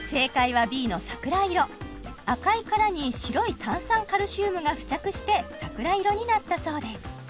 赤い殻に白い炭酸カルシウムが付着して桜色になったそうです